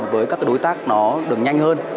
với các đối tác nó được nhanh hơn